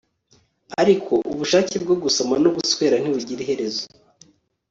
ariko ubushake bwo gusoma no guswera ntibugira iherezo